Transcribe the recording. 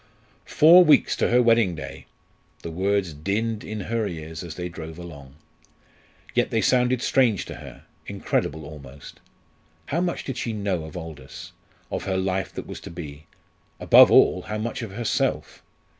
Four weeks to her wedding day! The words dinned in her ears as they drove along. Yet they sounded strange to her, incredible almost. How much did she know of Aldous, of her life that was to be above all, how much of herself?